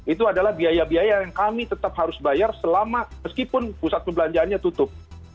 itu adalah biaya biaya yang kami tetap harus bayar selama meskipun pusat perbelanjaannya tutup